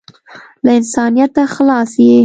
له انسانیته خلاص یې .